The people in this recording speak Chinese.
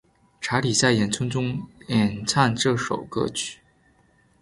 查理在演出中演唱这首歌曲。